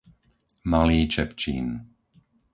Malý Čepčín